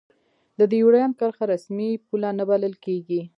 د دیورند کرښه رسمي پوله نه بلله کېږي.